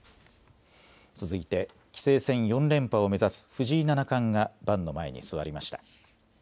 続いて棋聖戦４連覇を目指す藤井七冠が盤の前に座りました。